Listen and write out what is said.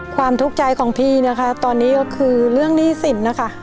ความทุกข์ใจของพี่นะคะตอนนี้ก็คือเรื่องหนี้สินนะคะ